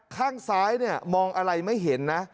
ข้างซ้ายเนี่ยมองอะไรไม่เห็นนะ